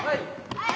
はい！